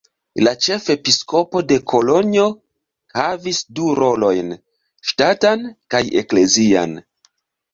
La ĉefepiskopo de Kolonjo havis du rolojn: ŝtatan kaj eklezian.